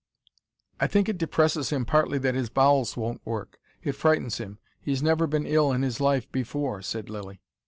"I think it depresses him partly that his bowels won't work. It frightens him. He's never been ill in his life before," said Lilly.